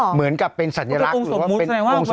เหมือนกับเป็นสัญลักษณ์